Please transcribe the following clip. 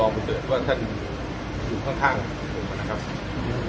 ท่านรอเมื่อเศิษฐ์ว่าท่านอยู่ข้างนะครับ